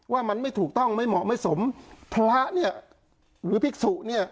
ว่ามันไม่ถูกต้องไม่เหมาะไม่สมพระเนี่ยหรือภิกษุเนี่ย